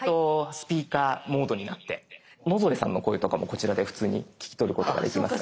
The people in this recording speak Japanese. スピーカーモードになって野添さんの声とかもこちらで普通に聞き取ることができますから。